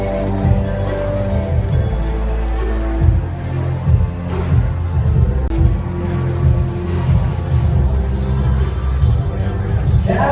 สโลแมคริปราบาล